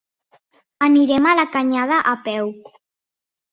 Anirem a la Canyada a peu.